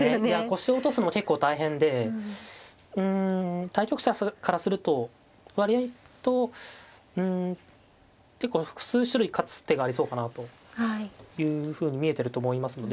腰を落とすのも結構大変でうん対局者からすると割合とうん結構複数種類勝つ手がありそうかなというふうに見えてると思いますので。